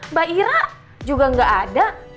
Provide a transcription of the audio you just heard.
mbak ira juga nggak ada